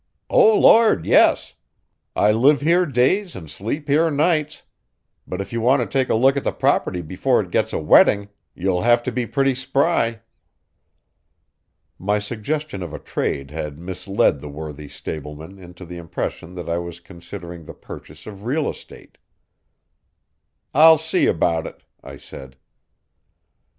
"O Lord, yes. I live here days and sleep here nights. But if you want to take a look at the property before it gets a wetting you'll have to be pretty spry." My suggestion of a trade had misled the worthy stableman into the impression that I was considering the purchase of real estate. "I'll see about it," I said.